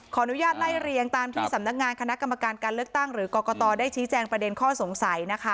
อนุญาตไล่เรียงตามที่สำนักงานคณะกรรมการการเลือกตั้งหรือกรกตได้ชี้แจงประเด็นข้อสงสัยนะคะ